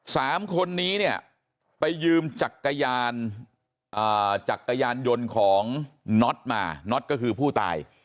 สามคนนี้เนี่ยไปยืมจักรยานจักรยานยนต์ของน็อตมาน็อตก็คือผู้ตาย